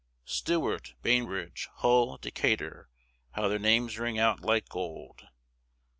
Stewart, Bainbridge, Hull, Decatur how their names ring out like gold!